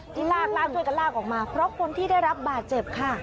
ที่ลากลากช่วยกันลากออกมาเพราะคนที่ได้รับบาดเจ็บค่ะ